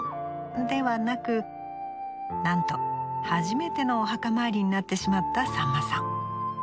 ではなくなんと初めてのお墓参りになってしまったさんまさん。